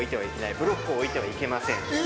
ブロックは置いてはいけません。